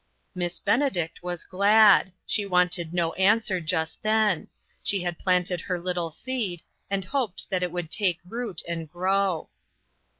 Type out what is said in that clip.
Miss Benedict was glad. She wanted no answer just then ; OUTSIDE THE CIRCLE. 135 she had planted her little seed, and hoped that it would take root and grow.